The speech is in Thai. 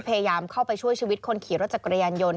พยายามเข้าไปช่วยชีวิตคนขี่รถจักรยานยนต์